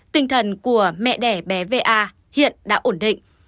tinh thần của mẹ đẻ bé va hiện đã ổn định